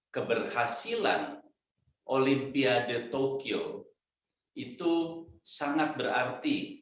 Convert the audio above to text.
keberhasilan olympia de tokyo itu sangat berarti